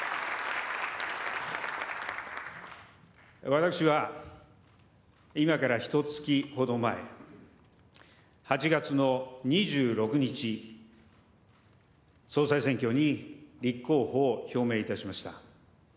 私は今からひとつきほど前、８月の２６日、総裁選挙に立候補を表明いたしました。